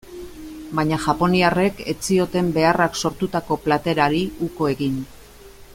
Baina japoniarrek ez zioten beharrak sortutako plater hari uko egin.